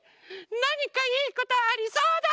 なにかいいことありそうだ！